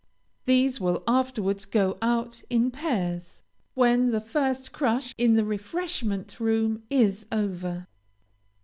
These will afterwards go out, in pairs, when the first crush in the refreshment room is over.